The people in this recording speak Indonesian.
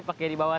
pakai di bawah